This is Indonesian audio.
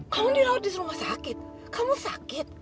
kamu dirawat di rumah sakit kamu sakit